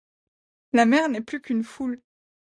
La mer n'est plus qu'une foule